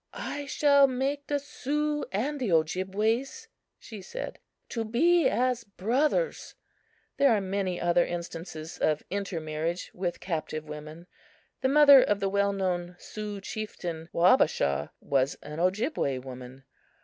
"I shall make the Sioux and the Ojibways," she said, "to be as brothers." There are many other instances of intermarriage with captive women. The mother of the well known Sioux chieftain, Wabashaw, was an Ojibway woman.